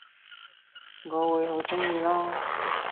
我會好鍾意囉